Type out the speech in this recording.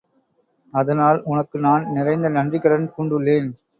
அதனால் உனக்கு நான் நிறைந்த நன்றிக்கடன் பூண்டுள்ளேன்.